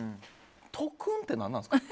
トクンって何なんですか？